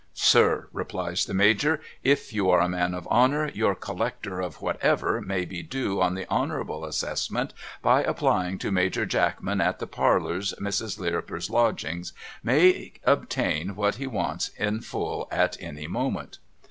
' Sir ' rei)lies the Major ' if you are a man of honour, your Collector of whatever may be due on the Honourable Assess ment by aijjjlying to Major Jackman at the Parlours Mrs. Rirriper's Lodgings, may obtain what he wants in full at any moment.'